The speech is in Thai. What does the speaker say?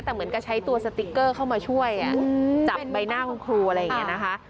แต่เหมือนกับใช้ตัวสติ๊กเกอร์เข้ามาช่วยจับใบหน้าคุณครูอะไรอย่างนี้นะคะ